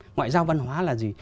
ngoại giao văn hóa là gì